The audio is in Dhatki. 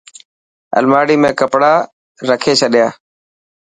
الماڙي ۾ ڪپڙا رکي ڇڏيا.